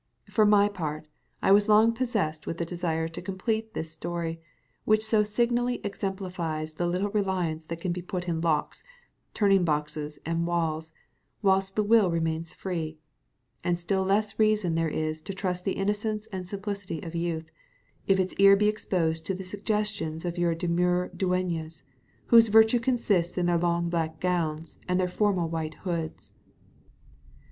For my part I was long possessed with the desire to complete this story, which so signally exemplifies the little reliance that can be put in locks, turning boxes, and walls, whilst the will remains free; and the still less reason there is to trust the innocence and simplicity of youth, if its ear be exposed to the suggestions of your demure dueñas, whose virtue consists in their long black gowns and their formal white hoods.